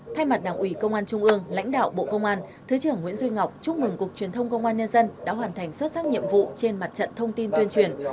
thay mặt đảng ủy công an trung ương lãnh đạo bộ công an thứ trưởng nguyễn duy ngọc chúc mừng cục truyền thông công an nhân dân đã hoàn thành xuất sắc nhiệm vụ trên mặt trận thông tin tuyên truyền